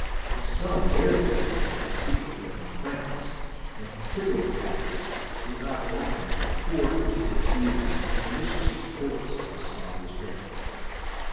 His son Laertes had come secretly from France, and tittle tattlers were not lacking to pour into his ears malicious reports of his father's death.